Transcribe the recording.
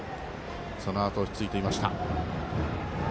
そのあと、落ち着いていました。